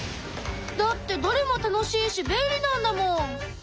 だってどれも楽しいし便利なんだもん。